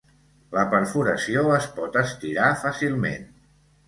La perforació es pot estirar fàcilment.